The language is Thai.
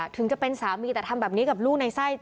ถึงจะเป็นสามีแต่ทำแบบนี้กับลูกในไส้